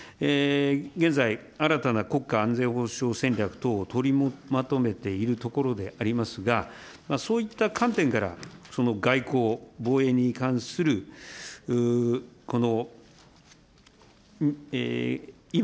現在、新たな国家安全保障戦略等を取りまとめているところでありますが、そういった観点から、外交・防衛に関する今、